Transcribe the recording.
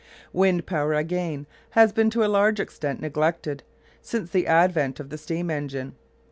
Wind power, again, has been to a large extent neglected since the advent of the steam engine.